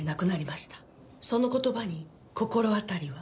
その言葉に心当たりは？